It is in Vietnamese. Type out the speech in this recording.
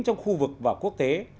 trong khu vực và quốc tế